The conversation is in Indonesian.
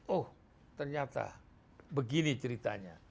oh ternyata begini ceritanya